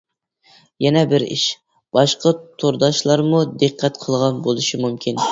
يەنە بىر ئىش، باشقا تورداشلارمۇ دىققەت قىلغان بولۇشى مۇمكىن.